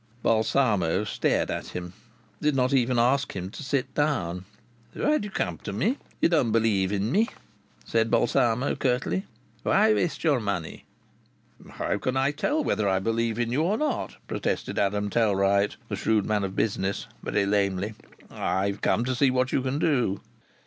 Balsamo stared at him; did not even ask him to sit down. "Why do you come to me? You don't believe in me," said Balsamo, curtly. "Why waste your money?" "How can I tell whether I believe in you or not," protested Adam Tellwright, the shrewd man of business, very lamely. "I've come to see what you can do."